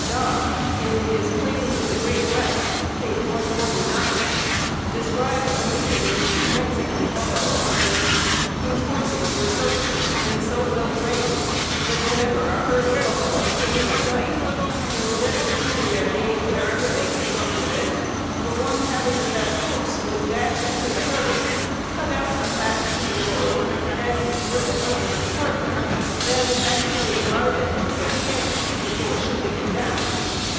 Dodge, in his Plains of the Great West, page 129, describes a meeting with two Mexican buffalo hunters whose horses were so fleet and so well trained that whenever a herd of buffalo came in sight, instead of shooting their game wherever they came up with it, the one having the best horse would dash into the herd, cut out a fat two year old, and, with the help of his partner, then actually drive it to their camp before shooting it down.